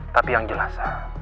tapi yang jelas